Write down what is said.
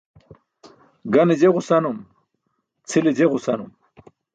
Gane je ġusanum, cʰile je ġusanum.